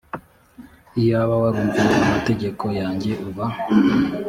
iyaba warumviye amategeko yanjye uba